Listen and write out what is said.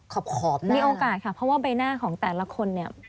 ขอบนะมีโอกาสค่ะเพราะว่าใบหน้าของแต่ละคนเนี่ย